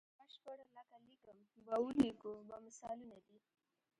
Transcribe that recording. نا بشپړ لکه لیکم به او لیکو به مثالونه دي.